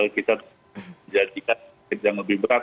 kita menjadikan yang lebih berat